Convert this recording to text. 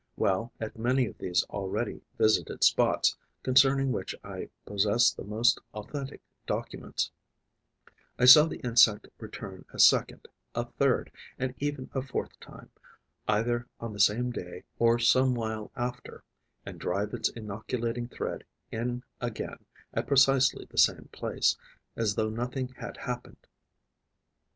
Well, at many of these already visited spots, concerning which I possessed the most authentic documents, I saw the insect return a second, a third and even a fourth time, either on the same day or some while after, and drive its inoculating thread in again, at precisely the same place, as though nothing had happened.